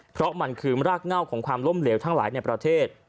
เพราะมันคือรากเง่าของความล้มเหลวทั้งหลายในประเทศ